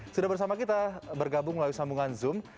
sudah bersama kita bergabung melalui sambungan zoom